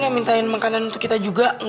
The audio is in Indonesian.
gak minta yang makanan untuk kita juga